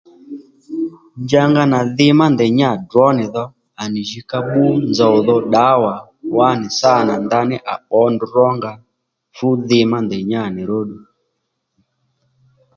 Nja nganà dhi má ndèy nyǎ drǒ nì dho à nì jǐ ka bbú nzòw dho ddǎwà wǎnì sǎ nà ndaní à pbǒ ndrǔ rónga fú dhi má ndèy nyǎ nì róddù